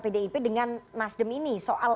pdip dengan nasdem ini soal